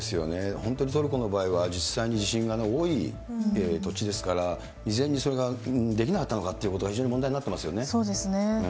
本当にトルコの場合は、実際に地震が多い土地ですから、事前にそれができなかったというのが非常に問題になっていますよね。